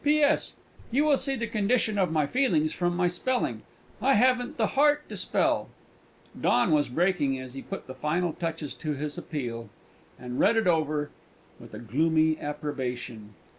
"P.S. You will see the condition of my feelings from my spelling I haven't the hart to spell." Dawn was breaking as he put the final touches to this appeal, and read it over with a gloomy approbation.